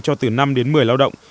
cho từ năm đến một mươi lao động